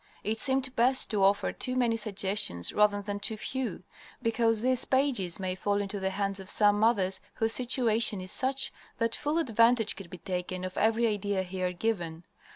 It seemed best to offer too many suggestions rather than too few, because these pages may fall into the hands of some mothers whose situation is such that full advantage can be taken of every idea here given.